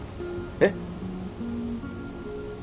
えっ？